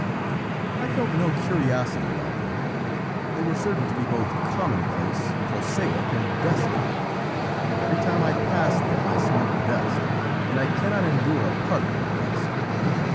"I felt no curiosity about them; they were certain to be both commonplace, prosaic and dusty: every time I passed them I smelt dust and I cannot endure a particle of dust.